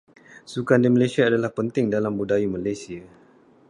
Sukan di Malaysia adalah penting dalam budaya Malaysia.